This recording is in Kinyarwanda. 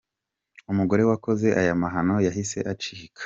Umugore wakoze aya mahano yahise acika.